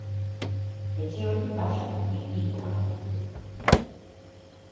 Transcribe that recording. Etxe hori baxu tipikoak ditu.